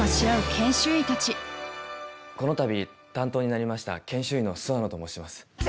このたび担当になりました研修医の諏訪野と申します。